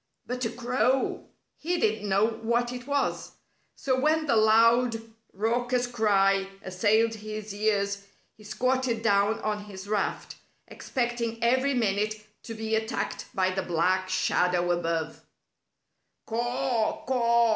But a crow! He didn't know what it was. So when the loud, raucous cry assailed his ears, he squatted down on his raft, expecting every minute to be attacked by the black shadow above. "Caw! Caw!"